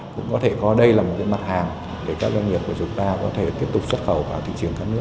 cũng có thể gói đây là một mặt hàng để các doanh nghiệp của chúng ta có thể tiếp tục xuất khẩu vào thị trường khác nữa